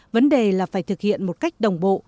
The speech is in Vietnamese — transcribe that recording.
vấn đề là phải thực hiện một cách đồng bộ